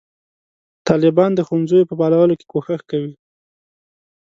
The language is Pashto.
طالبان د ښوونځیو په فعالولو کې کوښښ کوي.